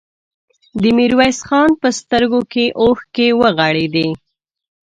د ميرويس خان په سترګو کې اوښکې ورغړېدې.